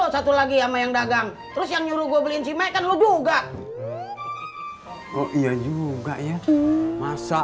lo satu lagi sama yang dagang terus yang nyuruh gue beliin simekan lu juga oh iya juga ya masa